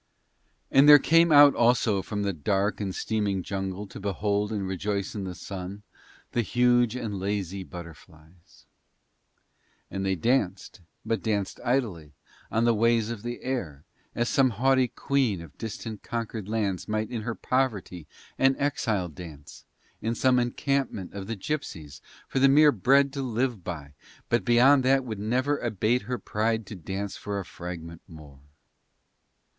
And there came out also from the dark and steaming jungle to behold and rejoice in the Sun the huge and lazy butterflies. And they danced, but danced idly, on the ways of the air, as some haughty queen of distant conquered lands might in her poverty and exile dance, in some encampment of the gipsies, for the mere bread to live by, but beyond that would never abate her pride to dance for a fragment more.